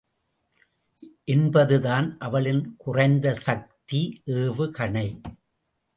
என்பதுதான் அவளின் குறைந்த சக்தி ஏவுகணை.